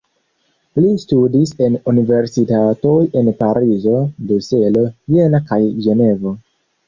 Li studis en universitatoj en Parizo, Bruselo, Jena kaj Ĝenevo.